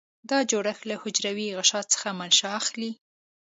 دا جوړښت له حجروي غشا څخه منشأ اخلي.